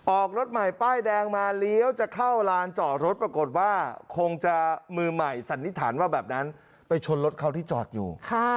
ออกรถใหม่ป้ายแดงมาเลี้ยวจะเข้าลานจอดรถปรากฏว่าคงจะมือใหม่สันนิษฐานว่าแบบนั้นไปชนรถเขาที่จอดอยู่